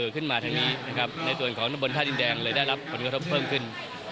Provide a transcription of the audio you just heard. ขึ้นมาทางนี้ใส่ตัวนบนท่าดินแดงเลยได้รับผลกระทบเพิ่มขึ้น